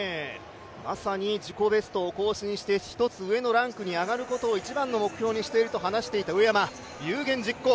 まさに自己ベストを更新して１つ上のランクに上がることを一番の目標にしているという上山、有言実行。